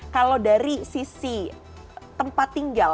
kalau dari sisi tempat tinggal